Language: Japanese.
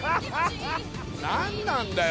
何なんだよ